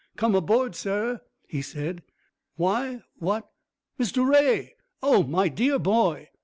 "Come aboard, sir," he said. "Why? What? Mr Ray Oh, my dear boy!"